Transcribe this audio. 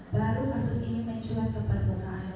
baru kasus ini menculik keperbukaan